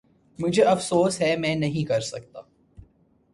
مجھے افسوس ہے میں نہیں کر سکتا۔